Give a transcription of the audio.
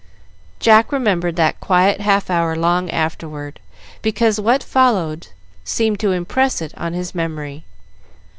Jack remembered that quiet half hour long afterward, because what followed seemed to impress it on his memory.